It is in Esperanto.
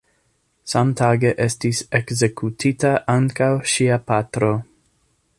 Samtage estis ekzekutita ankaŭ ŝia patro.